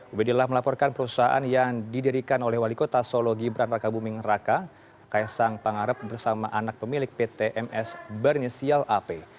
ubedillah melaporkan perusahaan yang didirikan oleh wali kota solo gibran raka buming raka kaisang pangarep bersama anak pemilik pt ms berinisial ap